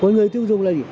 còn người tiêu dùng là gì